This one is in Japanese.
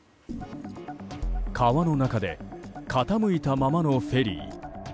川の中で傾いたままのフェリー。